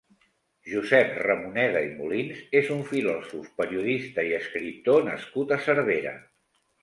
Josep Ramoneda i Molins és un filòsof, periodista i escriptor nascut a Cervera.